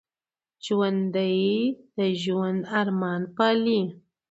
ژوندي د ژوند ارمان پالي